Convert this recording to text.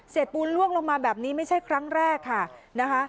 เศรษฐ์ปูนล่วงลงมาแบบนี้ไม่ใช่ครั้งแรกค่ะ